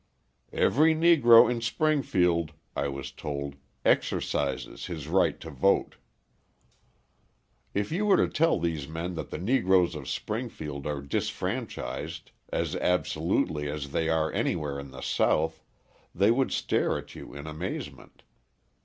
"Every Negro in Springfield," I was told, "exercises his right to vote." If you were to tell these men that the Negroes of Springfield are disfranchised as absolutely as they are anywhere in the South, they would stare at you in amazement.